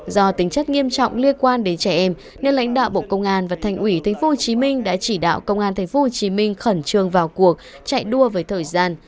do tính chất nghiêm trọng liên quan đến trẻ em nên lãnh đạo bộ công an và thành ủy tp hcm đã chỉ đạo công an tp hcm khẩn trương vào cuộc chạy đua với thời gian